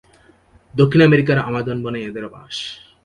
দক্ষিণ আমেরিকার আমাজন বনে এদের বাস।